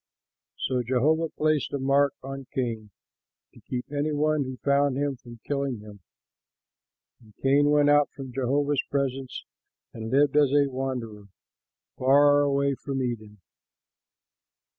So Jehovah placed a mark on Cain, to keep any one who found him from killing him. And Cain went out from Jehovah's presence and lived as a wanderer, away from Eden.